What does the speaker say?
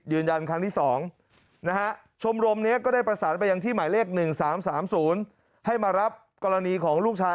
ครั้งที่๒นะฮะชมรมนี้ก็ได้ประสานไปยังที่หมายเลข๑๓๓๐ให้มารับกรณีของลูกชาย